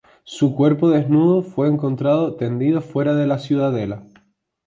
Su cuerpo desnudo fue encontrado tendido fuera de la Ciudadela.